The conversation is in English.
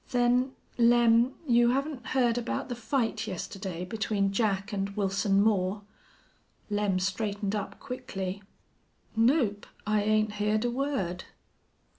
"Then, Lem you haven't heard about the fight yesterday between Jack and Wilson Moore?" Lem straightened up quickly. "Nope, I 'ain't heerd a word."